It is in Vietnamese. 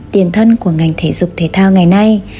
tiền thân của ngành thể dục thể thao ngày nay